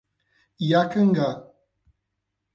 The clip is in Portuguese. Iacanga